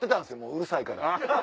うるさいから。